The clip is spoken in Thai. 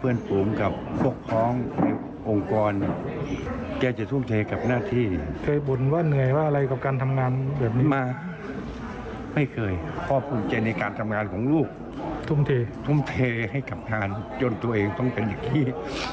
พ่อภูมิใจในการทำงานของลูกทุ่มเทให้กับท่านจนตัวเองต้องเป็นอย่างนี้